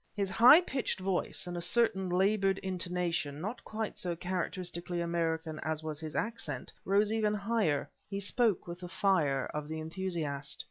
His high pitched voice, with a certain labored intonation, not quite so characteristically American as was his accent, rose even higher; he spoke with the fire of the enthusiast.